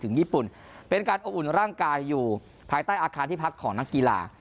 ญี่ปุ่นเป็นการอบอุ่นร่างกายอยู่ภายใต้อาคารที่พักของนักกีฬา